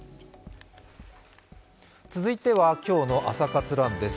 続いては今日の「朝活ＲＵＮ」です。